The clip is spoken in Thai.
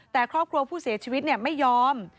แต่ครอบครัวผู้เสียชีวิตไม่ยอม